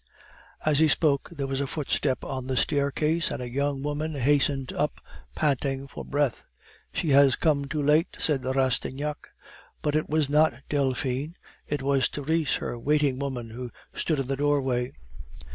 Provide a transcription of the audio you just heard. As he spoke there was a footstep on the staircase, and a young woman hastened up, panting for breath. "She has come too late," said Rastignac. But it was not Delphine; it was Therese, her waiting woman, who stood in the doorway.